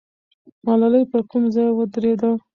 ملالۍ پر کوم ځای ودرېده؟